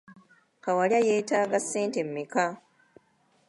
Kawalya yeetaaga ssente mmeka?